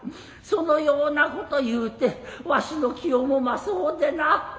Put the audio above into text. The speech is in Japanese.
そのようなこと言うてわしの気を揉まそうでな。